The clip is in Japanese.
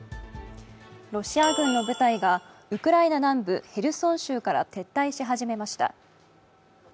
ロシア軍の部隊がウクライナ南部ヘルソン州から撤退し始めました。